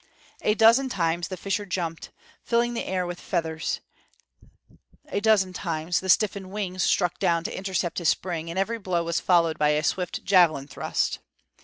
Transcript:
A dozen times the fisher jumped, filling the air with feathers; a dozen times the stiffened wings struck down to intercept his spring, and every blow was followed by a swift javelin thrust.